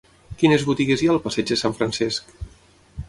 Quines botigues hi ha al passeig de Sant Francesc?